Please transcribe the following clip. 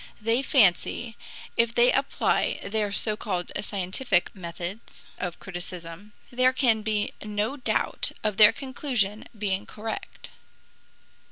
They fancy if they apply their so called scientific methods of criticism, there can be no doubt of their conclusion being correct.